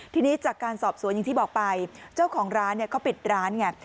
ทีนี้จากการสอบสวนอย่างที่บอกไปเจ้าของร้านเขาปิดร้านไง